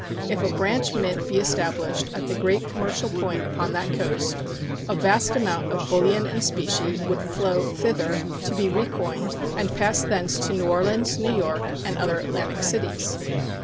If a branch mint be established at the great commercial point upon that coast, a vast amount of bullion and specie would flow thither to be recoined, and pass thence to New Orleans, New York, and other Atlantic cities.